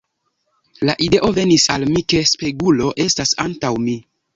La ideo venis al mi, ke spegulo estas antaŭ mi.